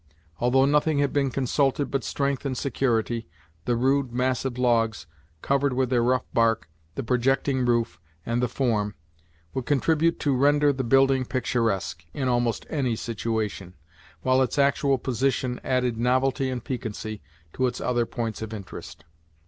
Although nothing had been consulted but strength and security, the rude, massive logs, covered with their rough bark, the projecting roof, and the form, would contribute to render the building picturesque in almost any situation, while its actual position added novelty and piquancy to its other points of interest.